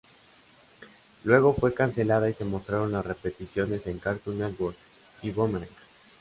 Luego fue cancelada y se mostraron las repeticiones en Cartoon Network y Boomerang.